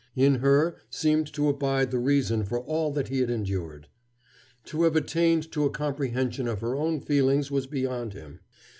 In her seemed to abide the reason for all that he had endured. To have attained to a comprehension of her own feelings was beyond him.